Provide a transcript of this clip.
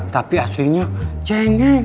tapi aslinya jengeng